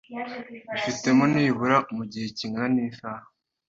bifatemo nibuze mu gihe kingana n’isaha